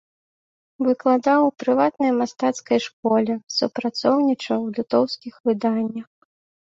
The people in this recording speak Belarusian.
Выкладаў у прыватнай мастацкай школе, супрацоўнічаў у літоўскіх выданнях.